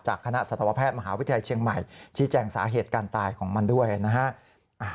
คณะสัตวแพทย์มหาวิทยาลัยเชียงใหม่ชี้แจงสาเหตุการตายของมันด้วยนะฮะ